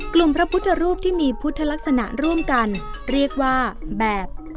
พระพุทธรูปที่มีพุทธลักษณะร่วมกันเรียกว่าแบบ